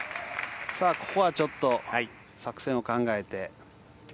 ここはちょっと作戦を考えて。